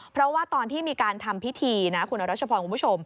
เพราะว่าตอนที่มีการทำพิธีนะคุณรัชพรคุณผู้ชม